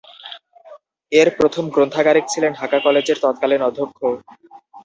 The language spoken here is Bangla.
এর প্রথম গ্রন্থাগারিক ছিলেন ঢাকা কলেজের তৎকালীন অধ্যক্ষ।